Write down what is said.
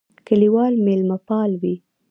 کلیوال مېلمهپاله وي.